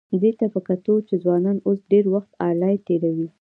دې ته په کتو چې ځوانان اوس ډېر وخت انلاین تېروي،